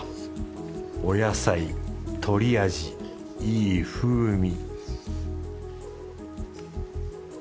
お野菜鳥味いい風味